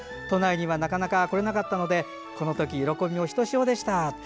都内にはなかなか来れなかったのでこのとき、喜びもひとしおでした。